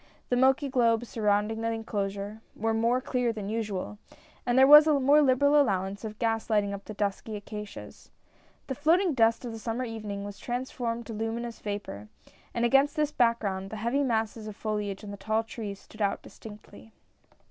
The milky globes surrounding the enclosure, were more clear than usual, and there was a more liberal allowance of gas lighting up the dusky acacias. The floating dust of the summer evening was transformed to luminous vapor, and against this back ground the heavy masses of foliage on the tall trees stood out distinctly.